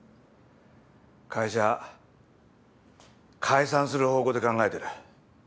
会社解散する方向で考えてる。